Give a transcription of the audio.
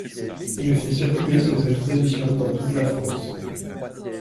Il fait circuler ses expositions dans toute la France.